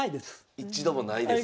一度もないですか？